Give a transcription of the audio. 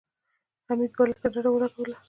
حميد بالښت ته ډډه ولګوله.